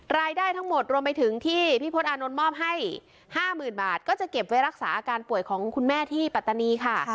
รายได้ทั้งหมดรวมไปถึงที่พี่พลตอานนท์มอบให้๕๐๐๐บาทก็จะเก็บไว้รักษาอาการป่วยของคุณแม่ที่ปัตตานีค่ะ